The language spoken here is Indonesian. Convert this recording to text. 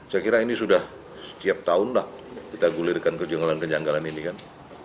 saya kira ini sudah setiap tahun lah kita gulirkan kejanggalan kejanggalan ini kan